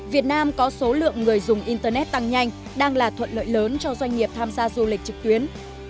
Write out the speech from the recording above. việt nam có số lượng người dùng internet tăng nhanh đang là thuận lợi lớn cho doanh nghiệp tham gia du lịch trực tuyến